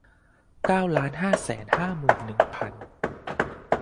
เก้าล้านห้าแสนห้าหมื่นหนึ่งพัน